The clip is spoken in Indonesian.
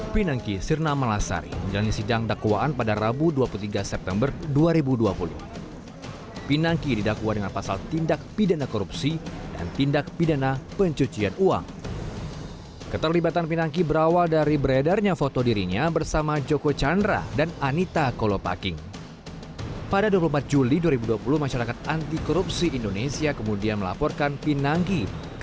pinangki sirna malasari